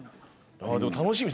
でも楽しみです。